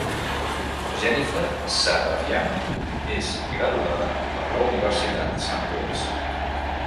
Jennifer Safavian és graduada per la Universitat Saint Louis.